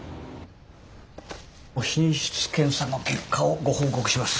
品質検査の結果をご報告します。